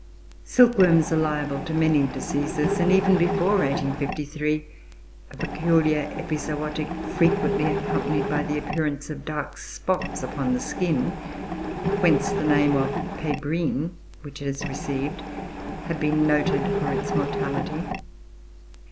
Silkworms are liable to many diseases; and, even before 1853, a peculiar epizootic, frequently accompanied by the appearance of dark spots upon the skin (whence the name of "Pébrine" which it has received), had been noted for its mortality.